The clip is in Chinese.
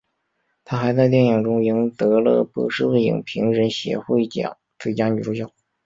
她还在电影中赢得了波士顿影评人协会奖最佳女主角。